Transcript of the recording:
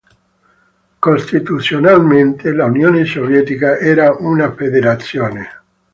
Costituzionalmente, l'Unione Sovietica era una federazione.